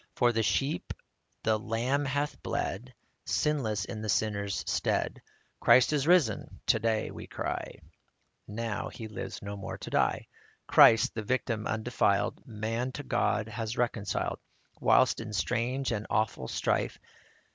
For the sheep the Lamb hath bled, Sinless in the sinner's stead \ "Christ is risen," to day we cry; Now he lives no more to die. Christ, the Victim undefiled, Man to God hath reconciled, Whilst in strange and awful strife.